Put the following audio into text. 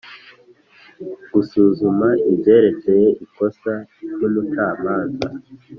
gusuzuma ibyerekeye ikosa ry umucamanza